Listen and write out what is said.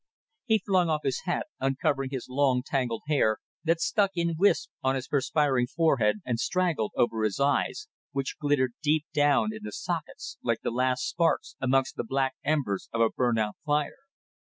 He flung off his hat, uncovering his long, tangled hair that stuck in wisps on his perspiring forehead and straggled over his eyes, which glittered deep down in the sockets like the last sparks amongst the black embers of a burnt out fire.